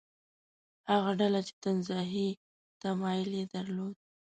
هغه ډله چې تنزیهي تمایل یې درلود.